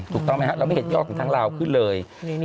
ถูกต้องไหมครับเราไม่เห็นยอดของทางลาวขึ้นเลย